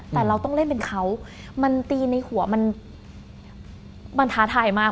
แต่เราต้องเล่นเป็นเขามันตีในหัวมันท้าทายมาก